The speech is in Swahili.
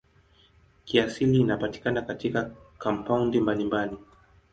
Kiasili inapatikana katika kampaundi mbalimbali.